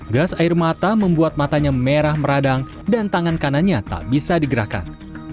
gas air mata membuat matanya merah meradang dan tangan kanannya tak bisa digerakkan